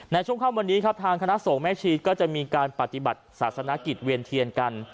ในช่วงค่ำวันนี้ครับทางคณะสงฆ์แม่ชีก็จะมีการปฏิบัติศาสนกิจเวียนเทียนกัน